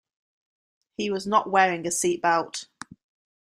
He was not wearing a seat belt.